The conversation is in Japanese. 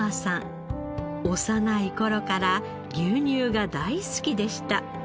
幼い頃から牛乳が大好きでした。